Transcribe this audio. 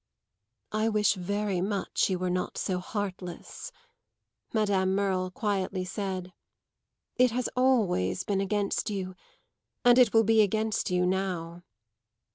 "I wish very much you were not so heartless," Madame Merle quietly said. "It has always been against you, and it will be against you now."